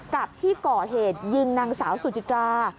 กับที่ก่อเหตุยิงนางสาวสุจิตรา